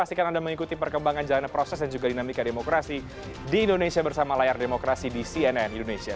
pastikan anda mengikuti perkembangan jalanan proses dan juga dinamika demokrasi di indonesia bersama layar demokrasi di cnn indonesia